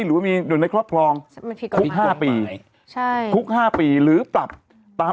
อันละ๒๐๐๐ก็เป็น๘๙๐๐๐หรือ๑๐๐๐ก็ไป๔๐๐๐๐